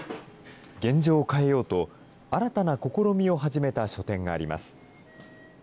現状を変えようと、新たな試みを始めた書店があります。